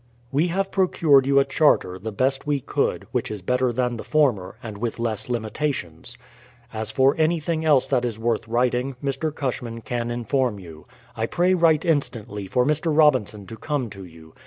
We have procured you a charter, the best we could, which is better than the former, and with less limitations. As for anything else that is worth writing, Mr. Cushman can inform you. I pray write instantly for Mr. Robinson to come to you.